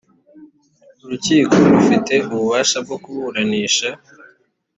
urukiko rufite ububasha bwo kuburanisha